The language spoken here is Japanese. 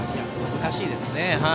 難しいですね。